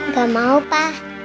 gak mau pak